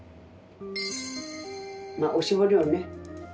まあおしぼりをね